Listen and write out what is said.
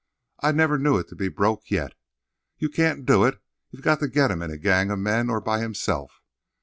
I never knew it to be broke yet. You can't do it. You've got to get him in a gang of men or by himself.